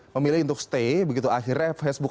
memilih untuk stay begitu akhirnya facebook